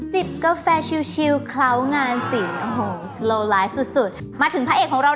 จิบกาฟแฟชิลเข้างานสิหัวงมาถึงพระเอกหรอก